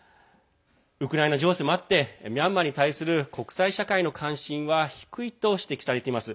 ウクライナ情勢もあってミャンマーに対する国際社会の関心は低いと指摘されています。